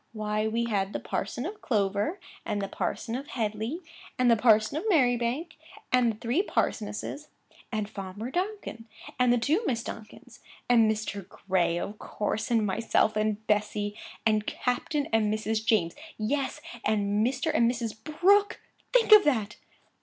Why, we had the parson of Clover, and the parson of Headleigh, and the parson of Merribank, and the three parsonesses; and Farmer Donkin, and two Miss Donkins; and Mr. Gray (of course), and myself and Bessy; and Captain and Mrs. James; yes, and Mr. and Mrs. Brooke; think of that!